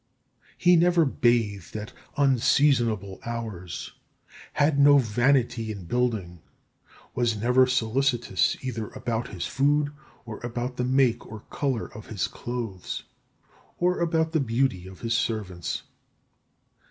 He never bathed at unseasonable hours, had no vanity in building, was never solicitous either about his food or about the make or colour of his clothes, or about the beauty of his servants.